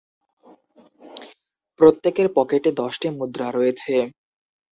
প্রত্যেকের পকেটে দশটি মুদ্রা রয়েছে।